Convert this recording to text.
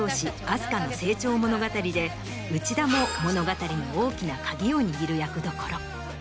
あす花の成長物語で内田も物語の大きな鍵を握る役どころ。